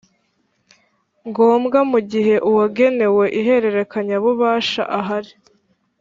ngombwa mu gihe uwagenewe ihererekanya bubasha ahari